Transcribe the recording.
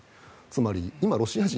つまり、今、ロシア人